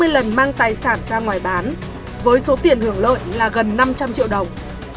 hai mươi lần mang tài sản ra ngoài bán với số tiền hưởng lợi là gần năm trăm linh triệu đồng